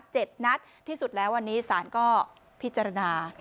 นัดที่สุดแล้ววันนี้ศาลก็พิจารณา